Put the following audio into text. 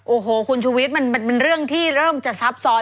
โอ้โหคุณชูวิทย์มันเป็นเรื่องที่เริ่มจะซับซ้อน